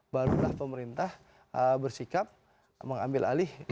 barulah pemerintah bersikap mengambil alih